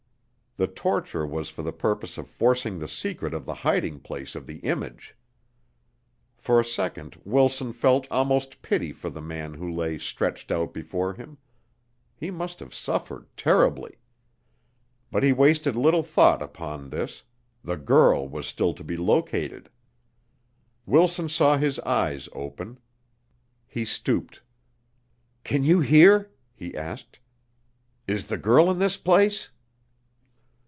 The torture was for the purpose of forcing the secret of the hiding place of the image. For a second Wilson felt almost pity for the man who lay stretched out before him; he must have suffered terribly. But he wasted little thought upon this; the girl was still to be located. Wilson saw his eyes open. He stooped: "Can you hear?" he asked. "Is the girl in this place?"